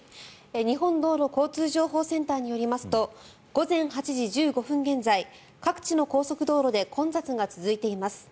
日本道路交通情報センターによりますと午前８時１５分現在各地の高速道路で混雑が続いています。